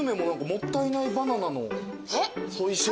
もったいないバナナ？